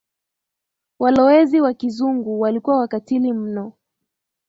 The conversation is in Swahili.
walowezi Wa kizungu walikuwa wakatili mno